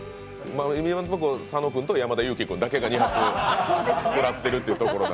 いまのところ佐野君と、山田裕貴君が２発食らってるという。